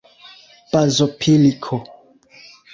bazopilko